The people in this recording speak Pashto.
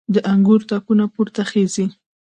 د انګور تاکونه پورته خیژي